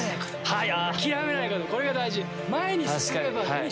はい。